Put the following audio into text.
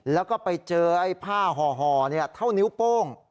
แล้วก็ไปเจอไอ้ผ้าห่อเท่านิ้วโป้ง